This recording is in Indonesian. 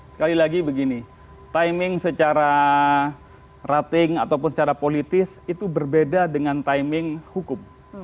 sekali lagi begini timing secara rating ataupun secara politis itu berbeda dengan timing hukum